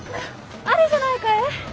あれじゃないかえ？